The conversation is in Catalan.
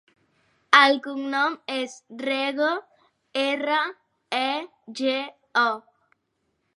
El cognom és Rego: erra, e, ge, o.